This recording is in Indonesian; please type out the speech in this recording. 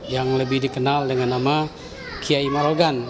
yang lebih dikenal dengan nama kiai marogan